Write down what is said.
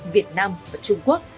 việt nam và trung quốc